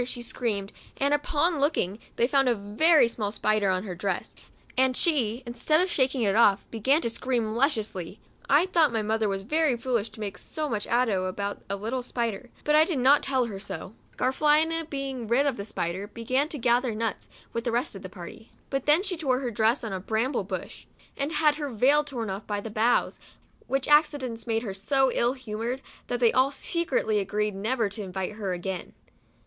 " she screamed, and upon looking, they found a very small spider on her dress, and she, instead of shaking it off, began to scream lustily. I thought my mother was very foolish to make so much ado about a little spider, but I did not tell her so. COUNTRY DOLL. 71 Garafelina being rid of the spider, began to gather the nuts, with the rest of the party. But then she tore her dress on a bramble bush, and had her veil torn off by the boughs, which accidents made her so ill humored, that they all secretly agreed never to invite her again.